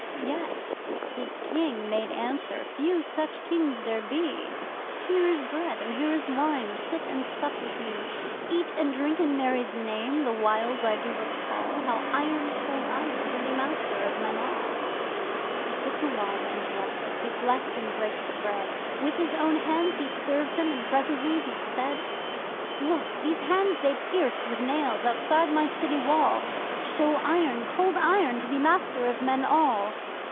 Yet his King made answer (few such Kings there be!) 'Here is Bread and here is Wine sit and sup with me. Eat and drink in Mary's Name, the whiles I do recall How Iron Cold Iron can be master of men all!' He took the Wine and blessed It; He blessed and brake the Bread. With His own Hands He served Them, and presently He said: 'Look! These Hands they pierced with nails outside my city wall Show Iron Cold Iron to be master of men all!